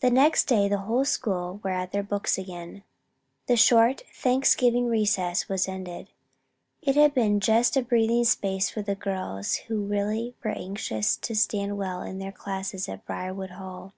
The next day the whole school were at their books again the short Thanksgiving recess was ended. It had been just a breathing space for the girls who really were anxious to stand well in their classes at Briarwood Hall.